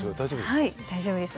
はい大丈夫です。